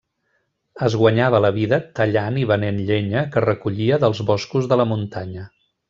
Es guanyava la vida tallant i venent llenya que recollia dels boscos de la muntanya.